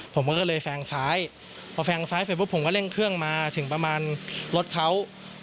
ผมก็เลยแซงซ้ายพอแซงซ้ายเสร็จปุ๊บผมก็เร่งเครื่องมาถึงประมาณรถเขา